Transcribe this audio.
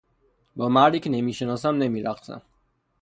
با مردی که نمیشناسم نمیرقصم.